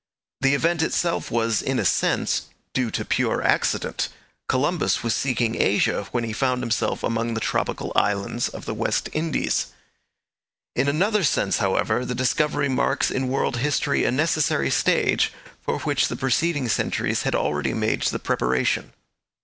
The event itself was, in a sense, due to pure accident. Columbus was seeking Asia when he found himself among the tropical islands of the West Indies. In another sense, however, the discovery marks in world history a necessary stage, for which the preceding centuries had already made the preparation.